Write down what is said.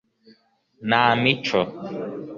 nta mico